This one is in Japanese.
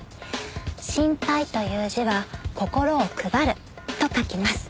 心配という字は「心を配る」と書きます。